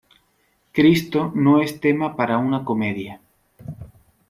Cristo no es tema para una comedia.